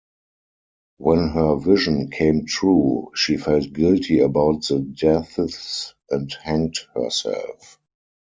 When her vision came true, she felt guilty about the deaths and hanged herself.